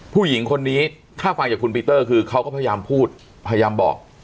ผู้หญิงคนนี้ถ้าฟังจากคุณปีเตอร์คือเขาก็พยายามพูดพยายามบอก